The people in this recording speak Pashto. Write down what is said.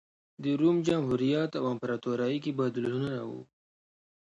د روم جمهوریت او امپراتورۍ کې بدلونونه و